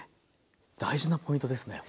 大事なポイントですねこれ。